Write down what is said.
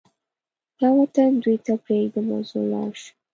دا وطن دوی ته پرېږدم او زه ولاړ شم.